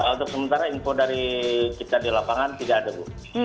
untuk sementara info dari kita di lapangan tidak ada bu